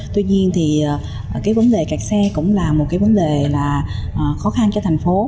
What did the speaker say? tuy nhiên thì cái vấn đề cạch xe cũng là một cái vấn đề là khó khăn cho thành phố